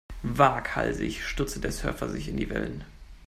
Waghalsig stürzte der Surfer sich in die Wellen.